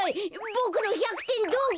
ボクの１００てんどこ？